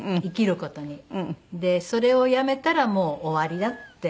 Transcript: でそれをやめたらもう終わりだって。